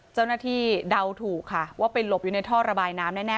เดาถูกค่ะว่าไปหลบอยู่ในท่อระบายน้ำแน่